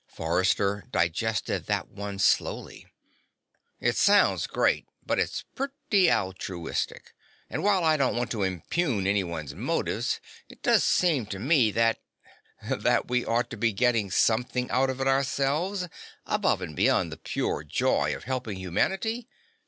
Forrester digested that one slowly. "It sounds great, but it's pretty altruistic. And while I don't want to impugn anybody's motives, it does seem to me that " "That we ought to be getting something out of it ourselves, above and beyond the pure joy of helping humanity.